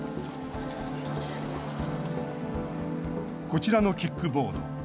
こちらのキックボード。